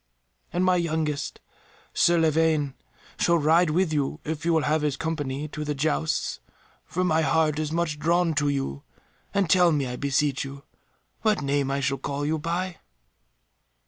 My youngest son, Sir Lavaine, shall ride with you, if you will have his company, to the jousts. For my heart is much drawn to you, and tell me, I beseech you, what name I shall call you by."